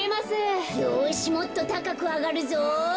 よしもっとたかくあがるぞ。